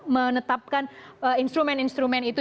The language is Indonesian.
menetapkan instrumen instrumen itu